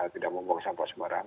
tidak membuang sampah semarang